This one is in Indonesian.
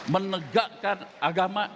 menegakkan agama ya